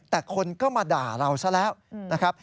แต่คนก็มาด่าเราซะแล้วนะครับ